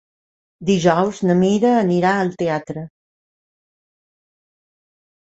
Dijous na Mira anirà al teatre.